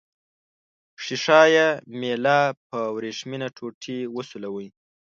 ښيښه یي میله په وریښمینه ټوټې وسولوئ.